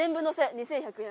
２１００円。